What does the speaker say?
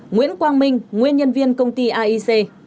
nguyễn quang minh nguyên nhân viên công ty aic